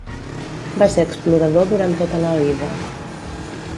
Va ser explorador durant tota la vida.